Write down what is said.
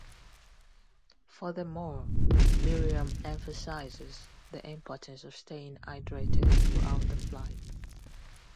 Furthermore, Miriam emphasizes the importance of staying hydrated throughout the flight.